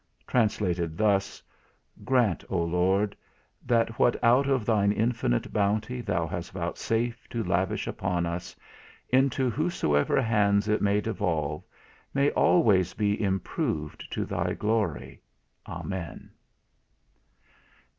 TRANSLATED THUS. Grant, Oh Lord! that what out of Thine infinite bounty Thou hast vouchsafed to lavish upon us, into whosoever hands it may devolve, may always be improved to thy glory. Amen.